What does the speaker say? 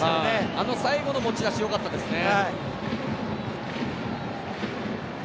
あの最後の持ち出しよかったですね。